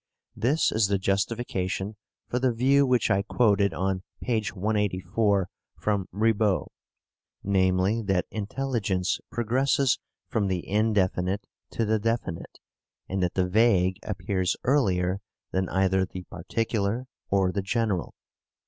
This is the justification for the view which I quoted on p. 184 from Ribot (op. cit., p. 32), viz. that intelligence progresses from the indefinite to the definite, and that the vague appears earlier than either the particular or the general.